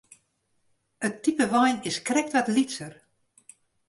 It type wein is krekt wat lytser.